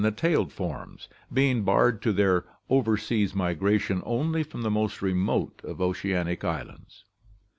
56 ORGANIC EVOLUTION tailed forms, being barred in their over seas migration only from the most remote of oceanic islands.